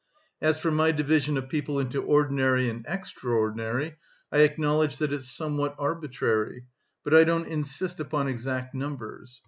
As for my division of people into ordinary and extraordinary, I acknowledge that it's somewhat arbitrary, but I don't insist upon exact numbers.